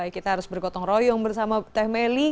kita harus bergotong royong bersama teh meli